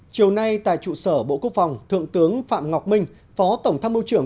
chiều nay tại trụ sở bộ quốc phòng thượng tướng phạm ngọc minh phó tổng tham mưu trưởng